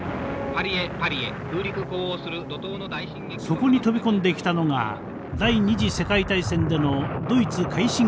そこに飛び込んできたのが第２次世界大戦でのドイツ快進撃のニュースでした。